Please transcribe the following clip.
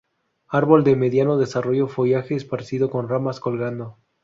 Árbol de mediano desarrollo, follaje esparcido con ramas colgando.